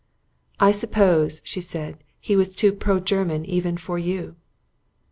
"I suppose," she said, "he was too pro German even for you."